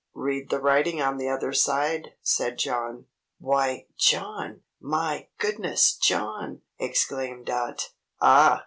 "Read the writing on the other side," said John. "Why, John! My goodness, John!" exclaimed Dot. "Ah!